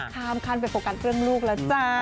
ทำขั้นเป็นโฟกัสเรื่องลูกละจ้ะ